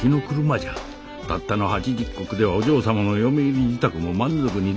たったの８０石ではお嬢様の嫁入り支度も満足にできん。